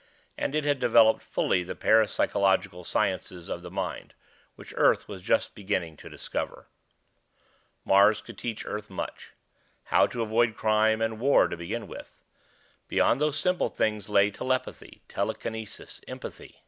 And it had developed fully the parapsychological sciences of the mind, which Earth was just beginning to discover. Mars could teach Earth much. How to avoid crime and war to begin with. Beyond those simple things lay telepathy, telekinesis, empathy....